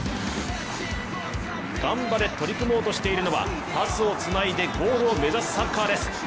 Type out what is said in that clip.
ガンバで取り組もうとしているのは、パスをつないでゴールを目指すサッカーです。